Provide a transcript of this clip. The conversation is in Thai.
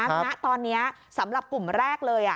ณตอนนี้สำหรับกลุ่มแรกเลย